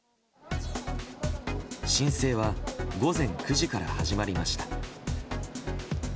申請は午前９時から始まりました。